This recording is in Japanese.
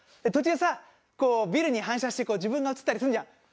途中さこうビルに反射して自分が映ったりするじゃん。